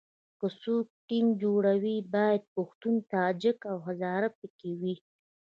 که څوک ټیم جوړوي باید پښتون، تاجک او هزاره په کې وي.